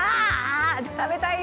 食べたいよ